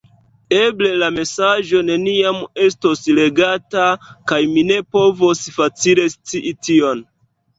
Eble la mesaĝo neniam estos legata, kaj mi ne povos facile scii tion.